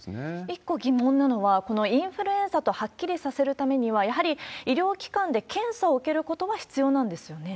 一個疑問なのは、このインフルエンザとはっきりさせるためには、やはり医療機関で検査を受けることは必要なんですよね？